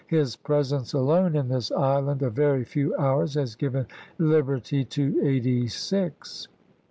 His presence alone in this island a very few hours has given liberty to Ma? Did!864, eighty six."